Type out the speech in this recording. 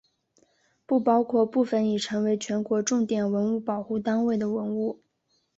不包括部分已成为全国重点文物保护单位的文物。